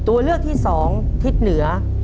ตัวเลือกที่๒ทิศเหนือ